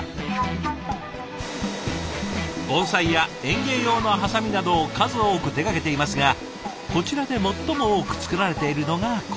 盆栽や園芸用のハサミなどを数多く手がけていますがこちらで最も多く作られているのがこれ。